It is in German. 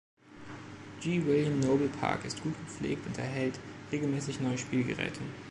G. William Noble Park ist gut gepflegt und erhält regelmäßig neue Spielgeräte.